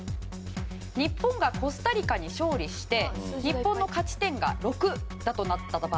日本がコスタリカに勝利すると日本の勝ち点が６となります。